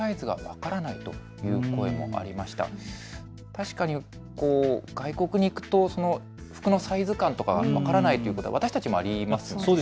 確かに外国に行くと服のサイズ感とか分からないということ、私たちもありますよね。